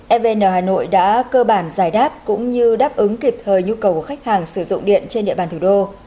evn hà nội đã cơ bản giải đáp cũng như đáp ứng kịp thời nhu cầu của khách hàng sử dụng điện trên địa bàn thủ đô